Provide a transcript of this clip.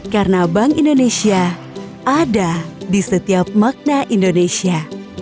karena bank indonesia ada di setiap makna indonesia